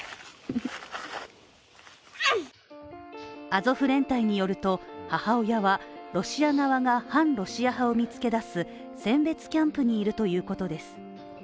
アゾフ連隊によると母親は、ロシア側が反ロシア派を見つけ出す選別キャンプにいるということです。